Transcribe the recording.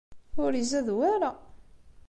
Ur izad wara.